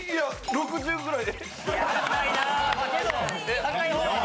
６０ぐらい。